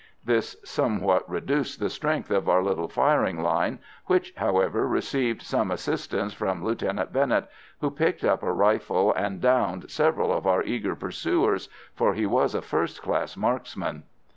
This somewhat reduced the strength of our little firing line, which, however, received some assistance from Lieutenant Bennet, who picked up a rifle and "downed" several of our eager pursuers, for he was a first class marksman.